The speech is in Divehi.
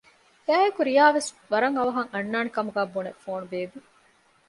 އެއާއެކު ރިޔާ ވެސް ވަރަށް އަވަހަށް އަންނާނެ ކަމުގައި ބުނެ ފޯނު ބޭއްވި